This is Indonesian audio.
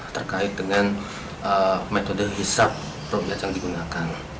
terkait dengan metode hikmah